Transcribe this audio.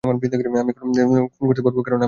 আমি এখন খুন করতে পারবো, কারণ আমি এখন ঘৃণা করি।